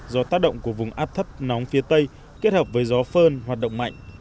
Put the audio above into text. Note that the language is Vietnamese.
do tác động của vùng áp thấp nóng phía tây kết hợp với gió phơn hoạt động mạnh